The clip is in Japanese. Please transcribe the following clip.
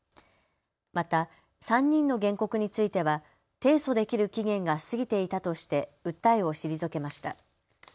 また３人の原告については提訴できる期限が過ぎていたとして訴えを退けました。